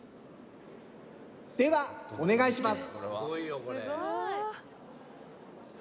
では、お願いします。